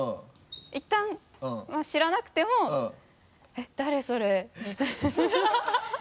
いったんまぁ知らなくても「えっ誰？それ」みたいな